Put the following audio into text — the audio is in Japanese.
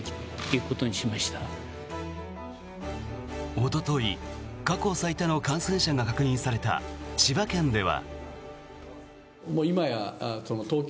おととい、過去最多の感染者が確認された千葉県では。